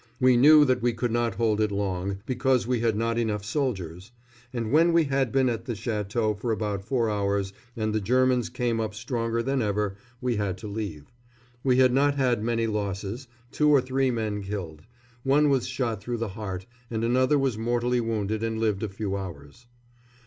We knew that we could not hold it long, because we had not enough soldiers, and when we had been at the château for about four hours, and the Germans came up stronger than ever, we had to leave. We had not had many losses two or three men killed. One was shot through the heart, and another was mortally wounded and lived a few hours.